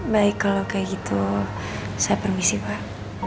baik kalau kayak gitu saya permisi pak